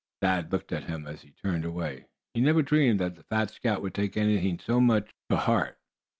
Thad looked at him as he turned away. He had never dreamed that the fat scout would take anything so much to heart.